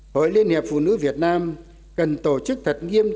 hội liên hiệp phụ nữ việt nam cần tổ chức thật nghiêm